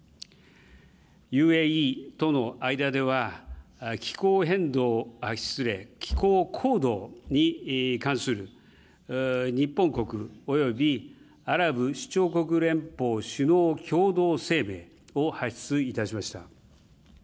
ＵＡＥとの間では、気候変動、失礼、気候行動に関する日本国及びアラブ首長国連邦首脳共同声明を発出いたしました。